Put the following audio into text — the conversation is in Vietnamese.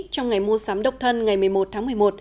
trong ngày mua sắm độc thân ngày một mươi một tháng một mươi một